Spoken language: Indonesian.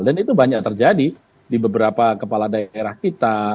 dan itu banyak terjadi di beberapa kepala daerah kita